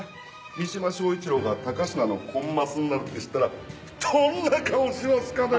三島彰一郎が高階のコンマスになるって知ったらどんな顔しますかね？